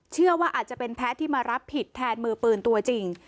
เชื่อว่าอาจจะเป็นแพ้ที่มารับผิดแทนมือปืนตัวจริง